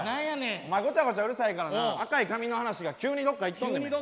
ごちゃごちゃうるさいからな赤い髪の話が急にどっかいっとんねんお前。